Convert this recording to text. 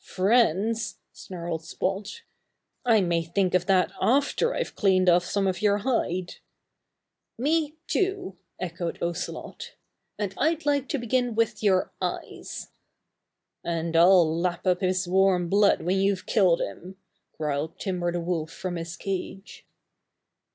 "Friends!" snarled Spot. "I may think of that after I've clawed off some of your hide!" "Me too!" echoed Ocelot. "And I'd like to begin with your eyes." "And I'll lap up his warm blood when you've killed him," growled Timber the Wolf from his cage.